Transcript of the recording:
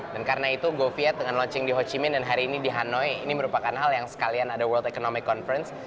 dan karena itu goviet dengan launching di ho chi minh dan hari ini di hanoi ini merupakan hal yang sekalian ada world economic conference